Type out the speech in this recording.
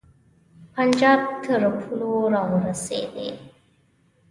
پنجاب تر پولو را ورسېدی.